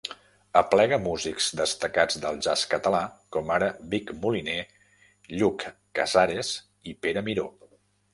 Aplega músics destacats del jazz català, com ara Vic Moliner, Lluc Casares i Pere Miró.